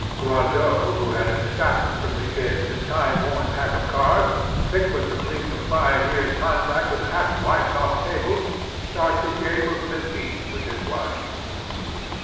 Loiseau, who had abstracted from the inn the timeworn pack of cards, thick with the grease of five years' contact with half wiped off tables, started a game of bezique with his wife.